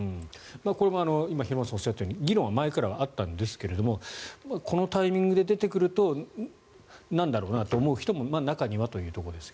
これも今、平元さんがおっしゃったように議論は今までもあったんですがこのタイミングで出てくるとなんだろう？と思う人は中にはということですが。